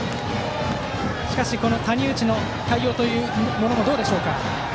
しかし、谷内の対応というものどうでしょうか。